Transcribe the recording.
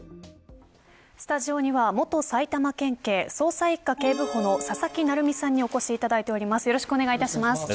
スタジオには元埼玉県警捜査一課警部補の佐々木成三さんにお越しいただいております。